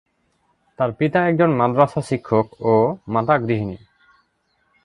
তার পিতা একজন মাদ্রাসা শিক্ষক ও মাতা গৃহিণী।